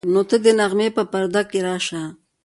نو ته د نغمې په پرده کې راشه.